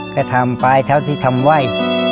ก็ทำไปเท่าที่ทำไว้